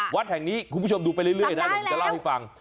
วัดแห่งนี้คุณผู้ชมดูไปเรื่อยนะเดี๋ยวผมจะเล่าให้ฟัง